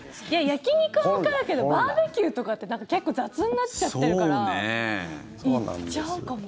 焼き肉はわかるけどバーベキューとかって結構、雑になっちゃってるからいっちゃうかも。